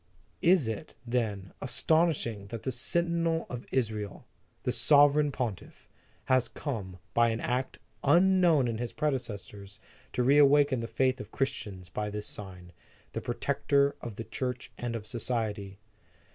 Is it, then, aston ishing that the Sentinel of Israel, the Sove reign Pontiff, has come, by an act unknown in his predecessors, to reawaken the faith of Christians, by this sign, the protector of the Church and of society?